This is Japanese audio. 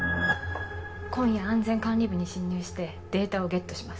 今夜安全管理部に侵入してデータをゲットします。